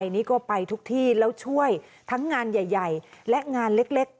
นี่ก็ไปทุกที่แล้วช่วยทั้งงานใหญ่และงานเล็ก